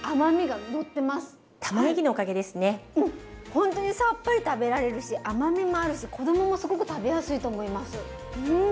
ほんとにさっぱり食べられるし甘みもあるし子供もすごく食べやすいと思いますうん。